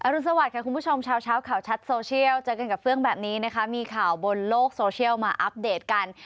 รุนสวัสดิค่ะคุณผู้ชมเช้าข่าวชัดโซเชียลเจอกันกับเฟื่องแบบนี้นะคะมีข่าวบนโลกโซเชียลมาอัปเดตกัน